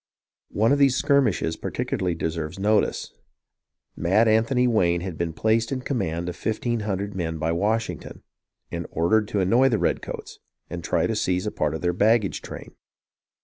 One of these "skirmishes" particularly deserves notice. Mad Anthony Wayne had been placed in command of fif teen hundred men by Washington, and ordered to annoy the redcoats, and to try to seize a part of their baggage train.